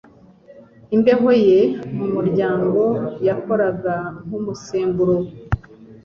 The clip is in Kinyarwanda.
Imibereho ye mu muryango yakoraga nk'umusemburo.